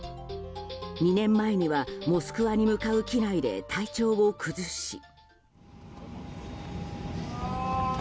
２年前には、モスクワに向かう機内で体調を崩し。